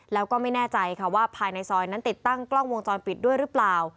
แล้วก็ไม่แน่ใจค่ะว่าภายในซอยนั้นติดตั้งกล้องวงจรปิดด้วยหรือเปล่า